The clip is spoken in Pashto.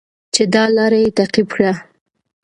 چې دا لاره یې تعقیب کړه.